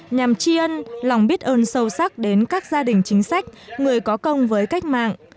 nhằm chi ân lòng biết ơn sâu sắc đến các gia đình chính sách người có công với cách mạng